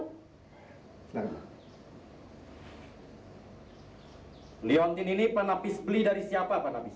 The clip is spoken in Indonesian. hai leontin ini pak nafis beli dari siapa pak nafis